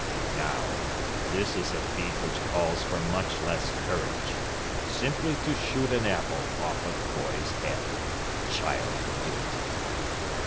Now, this is a feat which calls for much less courage. Simply to shoot an apple off a boy's head. A child could do it."